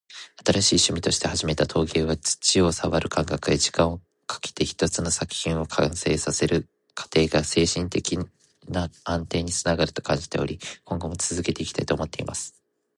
「新しい趣味として始めた陶芸は、土を触る感覚や、時間をかけて一つの作品を完成させる過程が精神的な安定につながると感じており、今後も続けていきたいと思っています。」